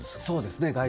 そうですね